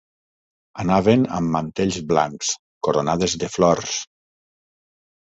Anaven amb mantells blancs, coronades de flors.